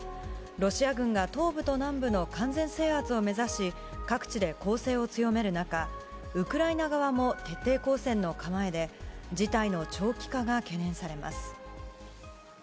ロシア軍が東部と南部の完全制圧を目指し、各地で攻勢を強める中、ウクライナ側も徹底抗戦の構えで、事態の長期化が懸念されます。